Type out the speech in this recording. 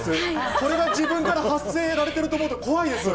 これが自分から発せられてると思うと、怖いです。